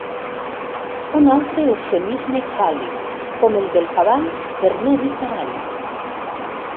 Un altre eufemisme fàl·lic com el del cavall per no dir carall.